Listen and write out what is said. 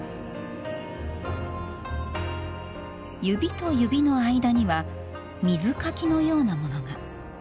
指と指の間には水かきのようなものが。